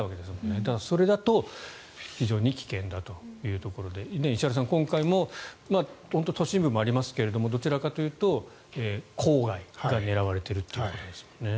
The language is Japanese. ただそれだと非常に危険だというところで石原さん、今回も都市部もありますがどちらかというと郊外が狙われているということですもんね。